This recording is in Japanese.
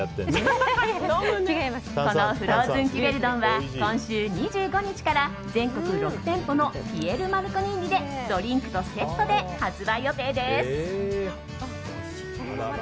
フローズンキュベルドンは今週２５日から全国６店舗のピエールマルコリーニでドリンクとセットで発売予定です。